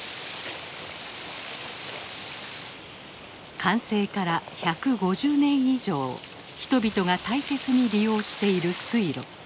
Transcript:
完成から１５０年以上人々が大切に利用している水路。